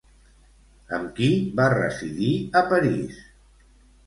Amb qui va residir a París?